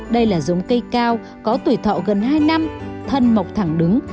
đây là giống cây cao có tuổi thọ gần hai năm thân mọc thẳng đứng